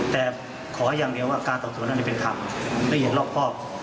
แต่ขออย่างเดียวว่าการสอบสวนอันนี้เป็นคำและอย่างรอบพ่อ